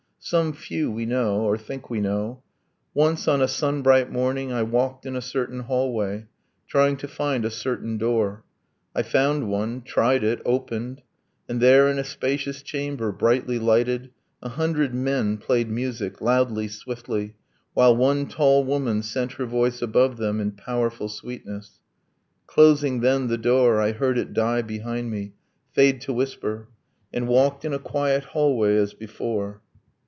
Some few we know Or think we know. .. Once, on a sun bright morning, I walked in a certain hallway, trying to find A certain door: I found one, tried it, opened, And there in a spacious chamber, brightly lighted, A hundred men played music, loudly, swiftly, While one tall woman sent her voice above them In powerful sweetness. ... Closing then the door I heard it die behind me, fade to whisper, And walked in a quiet hallway as before.